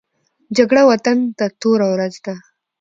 جګړه وطن ته توره ورځ ده